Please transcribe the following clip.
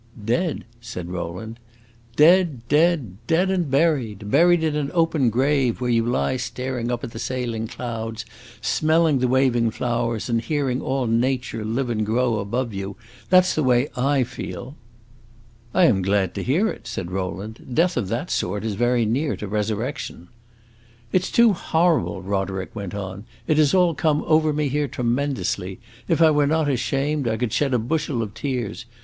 "Dead?" said Rowland. "Dead, dead; dead and buried! Buried in an open grave, where you lie staring up at the sailing clouds, smelling the waving flowers, and hearing all nature live and grow above you! That 's the way I feel!" "I am glad to hear it," said Rowland. "Death of that sort is very near to resurrection." "It 's too horrible," Roderick went on; "it has all come over me here tremendously! If I were not ashamed, I could shed a bushel of tears.